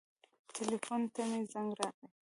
ټیلیفون ته مې زنګ راغی.